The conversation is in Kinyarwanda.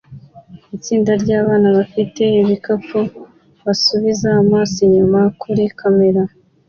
Itsinda ryabana bafite ibikapu basubiza amaso inyuma kuri kamera